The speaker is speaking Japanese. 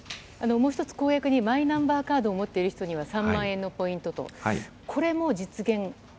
もう一つ公約にマイナンバーカードを持っている人には３万円のポイントと。